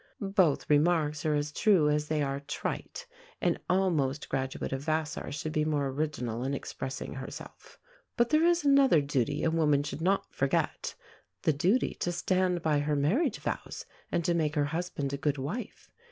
Both remarks are as true as they are trite. An almost graduate of Vassar should be more original in expressing herself. But there is another duty a woman should not forget the duty to stand by her marriage vows and to make her husband a good wife.